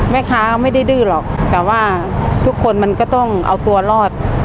ไม่ได้ดื้อหรอกแต่ว่าทุกคนมันก็ต้องเอาตัวรอด